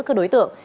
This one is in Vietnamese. các đối tượng